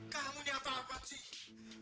kamu ini apa apaan sih